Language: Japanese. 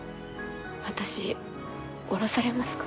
私降ろされますか？